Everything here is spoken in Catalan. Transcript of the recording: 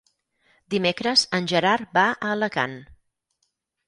Dimecres en Gerard va a Alacant.